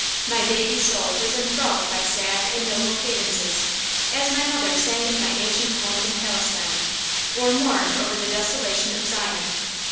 My baby soul was enthralled by sad and noble cadences, as my mother sang of my ancient home in Palestine, or mourned over the desolation of Zion.